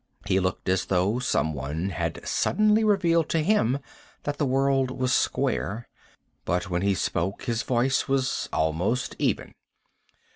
He looked as though someone had suddenly revealed to him that the world was square. But when he spoke his voice was almost even.